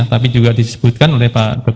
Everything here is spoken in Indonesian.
tapi juga disebutkan oleh pak dr